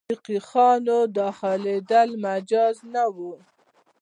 فقیهانو داخلېدل مجاز نه وو.